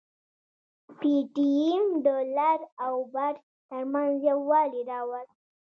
پي ټي ايم د لر او بر ترمنځ يووالي راوست.